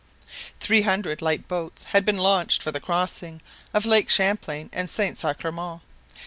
Three hundred light boats had been launched for the crossing of Lakes Champlain and Saint Sacrement.